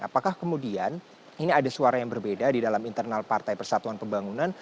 apakah kemudian ini ada suara yang berbeda di dalam internal partai persatuan pembangunan